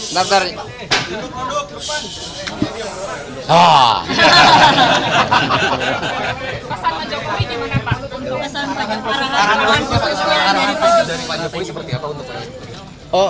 tidur konduk ke depan